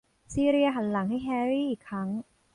ซีเลียหันหลังให้แฮร์รี่อีกครั้ง